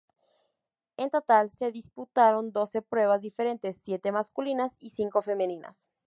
En total se disputaron doce pruebas diferentes, siete masculinas y cinco femeninas.